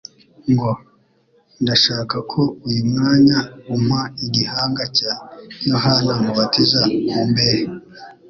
ngo: "Ndashaka ko uyu mwanya umpa igihanga cya Yohana umubatiza ku mbehe."